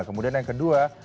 kemudian yang kedua